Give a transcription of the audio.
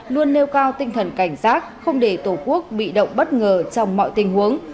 luôn nêu cao tinh thần cảnh sát không để tổ quốc bị động bất ngờ trong mọi tình huống